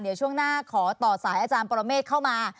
เดี๋ยวช่วงหน้าขอต่อสายอาจารย์ปรเมฆเข้ามา